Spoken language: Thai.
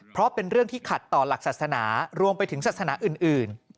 เพราะเป็นเรื่องที่ขัดต่อหลักศาสนารวมไปถึงศาสนาอื่น